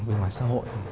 bên ngoài xã hội